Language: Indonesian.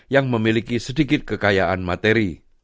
yang memiliki sedikit kekayaan materi